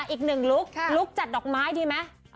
อีกนึงลุคจัดดอกไม้ดีมั้ย